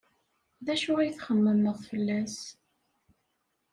D acu ay txemmemeḍ fell-as?